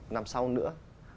năm sau nữa